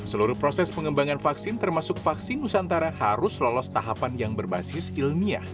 seluruh proses pengembangan vaksin termasuk vaksin nusantara harus lolos tahapan yang berbasis ilmiah